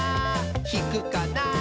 ひくかな？